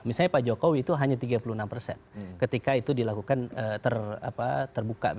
misalnya pak jokowi itu hanya tiga puluh enam persen ketika itu dilakukan terbuka